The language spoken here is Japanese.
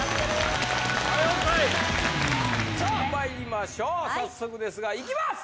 さあまいりましょう早速ですがいきます！